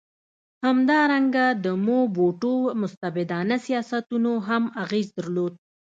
همدارنګه د موبوټو مستبدانه سیاستونو هم اغېز درلود.